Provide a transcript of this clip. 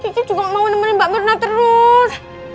kita juga mau nemenin mbak mirna terus